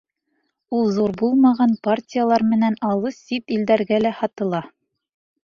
Ул ҙур булмаған партиялар менән алыҫ сит илдәргә лә һатыла.